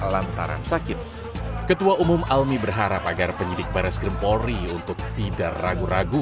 lantaran sakit ketua umum almi berharap agar penyidik baris krim polri untuk tidak ragu ragu